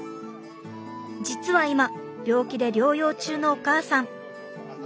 実は今病気で療養中のお母さん。